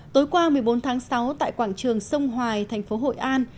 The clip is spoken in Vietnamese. tối qua một mươi bốn tháng sáu tại quảng trường sông hoài thành phố hội an